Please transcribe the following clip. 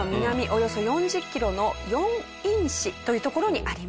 およそ４０キロの龍仁市という所にあります。